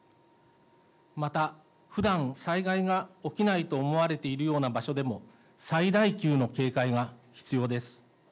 またふだん災害が起きないと思われているような場所でも、最大級の警戒が必要です。